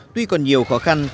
tuy còn nhiều khó khăn